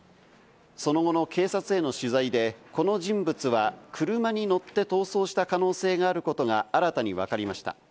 その後の警察への取材で、この人物は車に乗って逃走した可能性があることが新たにわかりました。